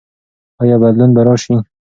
ایا بدلون به راسي؟